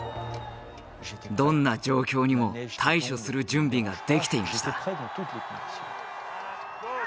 どんな状況にも対処する準備ができていました。